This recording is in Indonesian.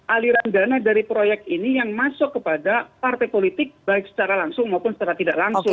aliran dana dari proyek ini yang masuk kepada partai politik baik secara langsung maupun secara tidak langsung